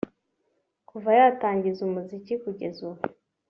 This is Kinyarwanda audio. Kuva yatangira umuziki kugeza ubu